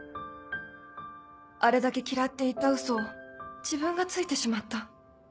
あれだけ嫌っていた嘘を自分がついてしまった